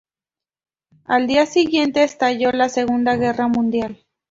Al día siguiente, estalló la Segunda Guerra Mundial.